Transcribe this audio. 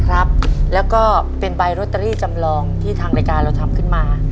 แล้วก็เป็นใบโรตเตอรี่จำลองที่ทางรายการเราทำขึ้นมา